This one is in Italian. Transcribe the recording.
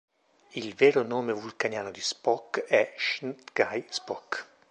Il vero nome vulcaniano di Spock è S'chn T'gai Spock.